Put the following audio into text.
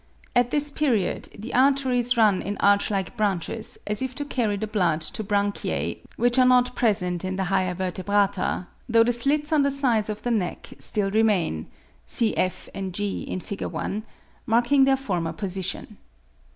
At this period the arteries run in arch like branches, as if to carry the blood to branchiae which are not present in the higher Vertebrata, though the slits on the sides of the neck still remain (see f, g, fig. 1), marking their former position.